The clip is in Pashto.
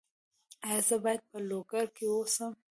ایا زه باید په لوګر کې اوسم؟